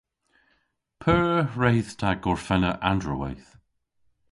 P'eur hwredh ta gorfenna androweyth?